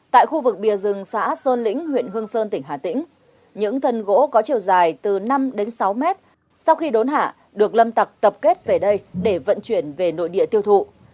tại khu vực bìa rừng xã sơn lĩnh huyện hương sơn tỉnh hà tĩnh những thân gỗ có chiều dài từ năm đến sáu mét sau khi đốn hạ được lâm tặc tập kết về đây để vận chuyển về nội địa tiêu thụ